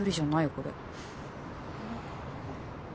これ。